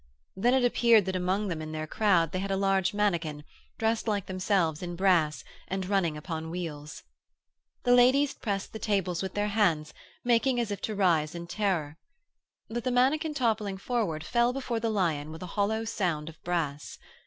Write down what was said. Then it appeared that among them in their crowd they had a large mannikin, dressed like themselves in brass and running upon wheels. The ladies pressed the tables with their hands, making as if to rise in terror. But the mannikin toppling forward fell before the lion with a hollow sound of brass.